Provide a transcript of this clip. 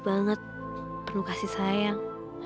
dia penuh kasih sayang